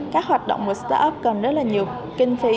các hoạt động của startup cần rất là nhiều kinh phí